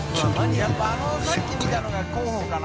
やっぱさっき見たのが候補かな？